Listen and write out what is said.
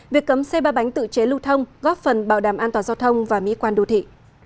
việc cấm xe ba bánh tự chế lưu thông góp phần bảo đảm an toàn giao thông và mỹ quan đô thị